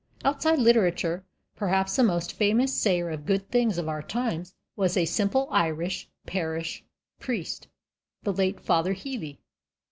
Outside literature, perhaps the most famous sayer of good things of our times was a simple Irish parish priest, the late Father Healy.